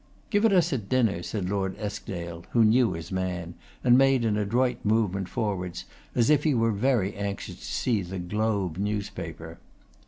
'Give it us at dinner,' said Lord Eskdale, who knew his man, and made an adroit movement forwards, as if he were very anxious to see the Globe newspaper.